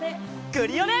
クリオネ！